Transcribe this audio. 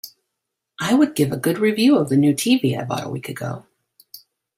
I would give a good review of the new TV I bought a week ago.